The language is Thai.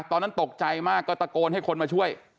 ตอนนั้นตกใจมากก็ตะโกนให้คนมาช่วย